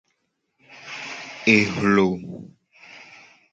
Ehlo.